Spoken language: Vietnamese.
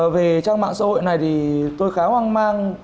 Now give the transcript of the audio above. về trang mạng xã hội này thì tôi khá hoang mang